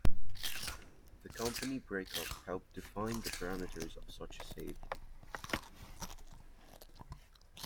The company breakup helped define the parameters of such a sale.